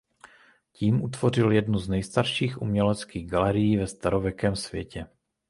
Tím vytvořil jednu z nejstarších uměleckých galerií ve starověkém světě.